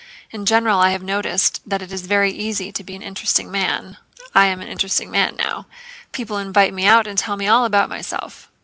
In general I have noticed that it is very easy to be an interesting man (I am an interesting man now); people invite me out and tell me all about myself."